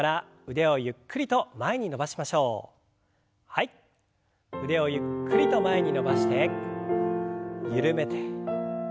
腕をゆっくりと前に伸ばして緩めて。